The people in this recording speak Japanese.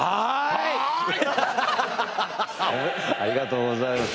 ありがとうございます。